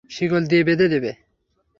শিকল দিয়ে বেঁধে দেবে।